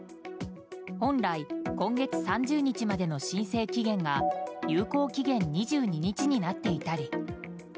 本来、今月３０日までの申請期限が有効期限２２日になっていたり。